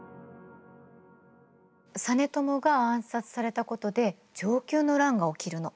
実朝が暗殺されたことで承久の乱が起きるの。